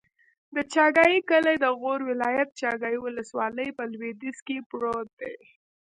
د چاګای کلی د غور ولایت، چاګای ولسوالي په لویدیځ کې پروت دی.